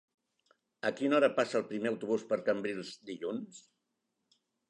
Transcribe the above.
A quina hora passa el primer autobús per Cambrils dilluns?